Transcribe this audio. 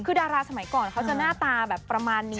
คือดาราสมัยก่อนเขาจะหน้าตาแบบประมาณนี้